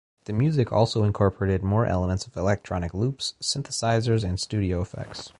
The music also incorporated more elements of electronic loops, synthesizers and studio effects.